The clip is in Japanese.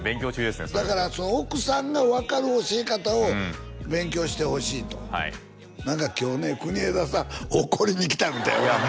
そういう意味ではだから奥さんが分かる教え方を勉強してほしいとはい何か今日ね国枝さん怒りに来たみたい俺らいや